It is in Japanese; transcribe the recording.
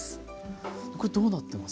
これどうなってます？